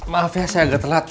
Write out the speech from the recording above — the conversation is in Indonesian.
maaf ya saya agak telat